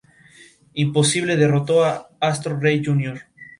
Al morir su último cacique, Bonifacio Maidana, la tribu se dispersó y desapareció.